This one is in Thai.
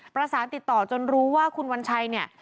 ประสานติดต่อจนรู้ว่าคุณวัญชัยเนี่ย